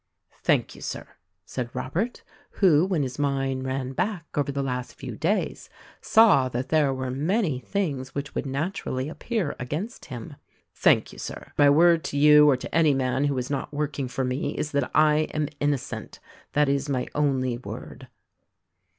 "Thank you. Sir," said Robert, who, when his mind ran back over the last few days, saw that there were many things which would naturally appear against him, "Thank you, Sir, my word to you or to any man who is not work ing for me is that I am innocent; that is my only word."